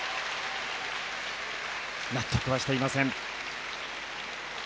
納得はしていません。